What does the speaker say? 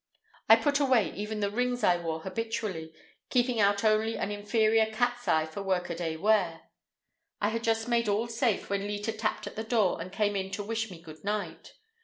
I put away even the rings I wore habitually, keeping out only an inferior cat's eye for workaday wear. I had just made all safe when Leta tapped at the door and came in to wish me good night.